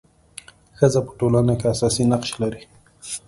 ښځه په ټولنه کي اساسي نقش لري.